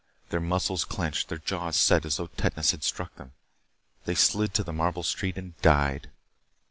Their muscles clenched. Their jaws set as though tetanus had struck them. They slid to the marble street and died.